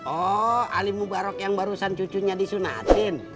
oh ali mubarok yang barusan cucunya disunatin